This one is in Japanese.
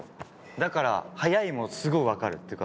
だから、早いもすごい分かるっていうか。